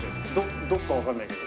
どこか分かんないけど。